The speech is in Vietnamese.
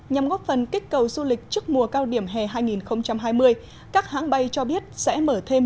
nhằm góp phần kích cầu du lịch trước mùa cao điểm hè hai nghìn hai mươi các hãng bay cho biết sẽ mở thêm